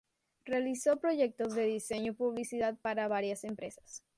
Realizó proyectos de diseño y publicidad para varias empresas.